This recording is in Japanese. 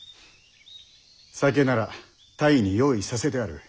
酒なら泰に用意させてある。